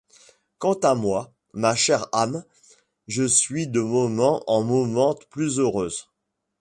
Quant à moi, ma chère âme, je suis de moment en moment plus heureuse.